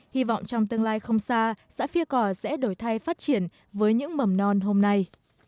hy vọng trong tương lai không xa xã phi cỏ sẽ đổi thay phát triển với những mầm non hôm nay